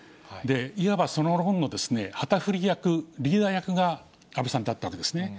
いわばその論の旗振り役、リーダー役が安倍さんだったわけですね。